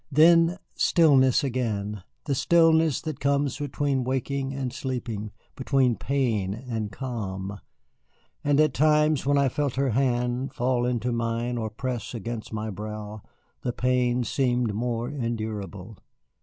Then stillness again, the stillness that comes between waking and sleeping, between pain and calm. And at times when I felt her hand fall into mine or press against my brow, the pain seemed more endurable.